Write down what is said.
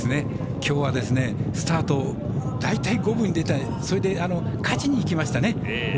きょうはスタート大体、五分でそれで、勝ちに出てましたね。